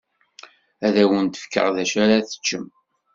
Ad awen-fkeɣ d acu ara teččem.